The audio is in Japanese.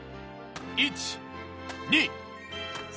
１２３。